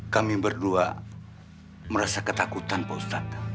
kami berdua merasa ketakutan pak ustadz